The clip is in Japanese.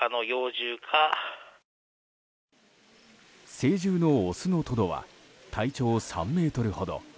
成獣のオスのトドは体長３ｍほど。